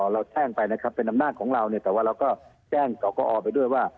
เราแจ้งไปนะครับเป็นอำนาจของเราเนี่ยแต่ว่าเราก็แจ้งกกอไปด้วยว่า